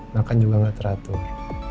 makan juga gak teratur